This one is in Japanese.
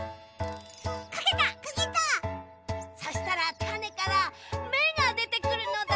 そしたらたねからめがでてくるのだ。